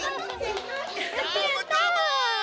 どーもどーも！